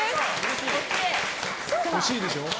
欲しいでしょ。